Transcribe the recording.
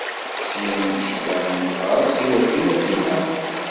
Syinn, ceyyɛen-t ɣer-s i wakken ad t-ineɣ.